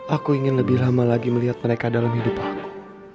aku ingin lebih lama lagi melihat mereka dalam hidup aku